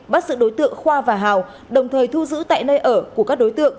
bắt sự đối tượng khoa và hào đồng thời thu giữ tại nơi ở của các đối tượng